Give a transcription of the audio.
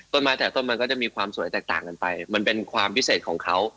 ตั้งแต่ต้นมันก็จะมีความสวยแตกต่างกันไปมันเป็นความพิเศษของเขา